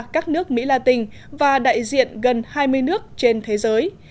các nước mỹ la tình và đại diện gần hai mươi nước trên thế giới